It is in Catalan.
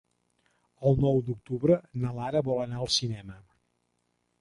El nou d'octubre na Lara vol anar al cinema.